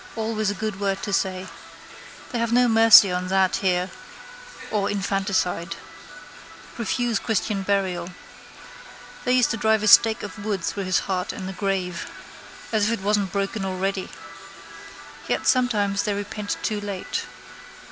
Always a good word to say. They have no mercy on that here or infanticide. Refuse christian burial. They used to drive a stake of wood through his heart in the grave. As if it wasn't broken already. Yet sometimes they repent too late.